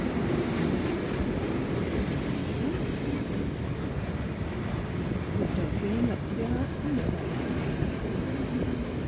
I cannot forgive the nurses for their shameful neglect this evening." " There's no being up to the artfulness of 'em," said the tall nurse.